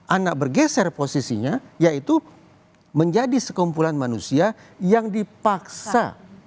anak bergeser posisinya yaitu menjadi sekumpulan manusia yang dipaksa